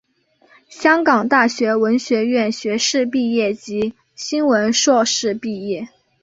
香港大学文学院学士毕业及新闻硕士毕业。